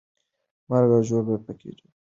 مرګ او ژوبله پکې ډېره کېده.